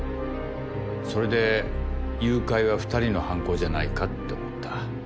それで誘拐は２人の犯行じゃないかって思った。